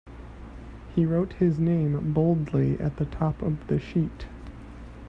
He wrote his name boldly at the top of the sheet.